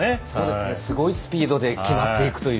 すごいスピードで決まっていくという。